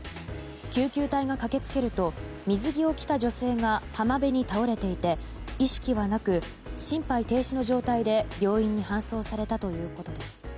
救急隊が駆け付けると水着を着た女性が浜辺に倒れていて意識はなく心肺停止の状態で病院に搬送されたということです。